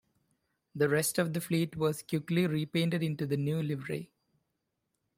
The rest of the fleet was quickly repainted into the new livery.